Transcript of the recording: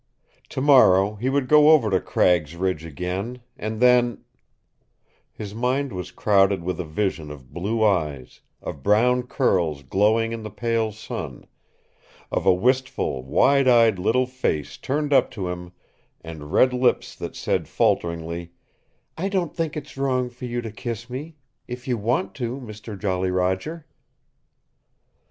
Tomorrow he would go over to Cragg's Ridge again, and then His mind was crowded with a vision of blue eyes, of brown curls glowing in the pale sun, of a wistful, wide eyed little face turned up to him, and red lips that said falteringly, "I don't think it's wrong for you to kiss me if you want to, Mister Jolly Roger!"